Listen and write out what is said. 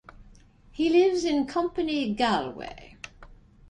He lives in Company Galway.